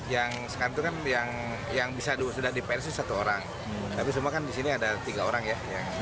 yang bisa sudah di psi satu orang tapi semua kan disini ada tiga orang ya